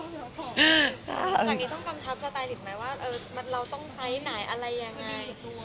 จากนี้ต้องกำชับสไตลิตไหมว่าเราต้องไซส์ไหนอะไรยังไง